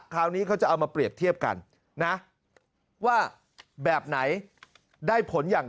คราวนี้เขาจะเอามาเปรียบเทียบกันนะว่าแบบไหนได้ผลอย่างไร